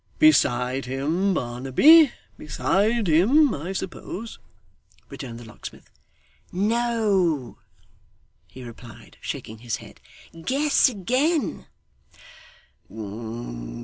'Beside him, Barnaby; beside him, I suppose,' returned the locksmith. 'No!' he replied, shaking his head. 'Guess again.